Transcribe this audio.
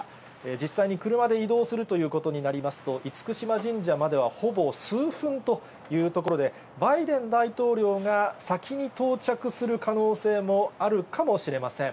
実際に車で移動するということになりますと、厳島神社まではほぼ数分というところで、バイデン大統領が先に到着する可能性もあるかもしれません。